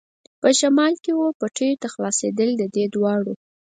په شمال کې وه پټیو ته خلاصېدل، د دې دواړو.